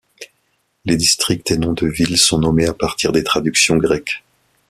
Les districts et noms de ville sont nommés à partir des traductions grecques.